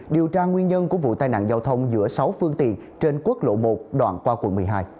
điều tra nguyên nhân của vụ tai nạn giao thông giữa sáu phương tiện trên quốc lộ một đoạn qua quận một mươi hai